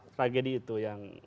tragedi itu yang